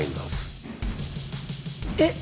えっ！？